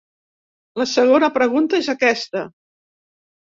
La segona pregunta és aquesta.